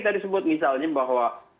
tadi sebut misalnya bahwa